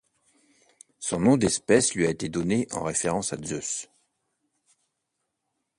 Son nom d'espèce lui a été donné en référence à Zeus.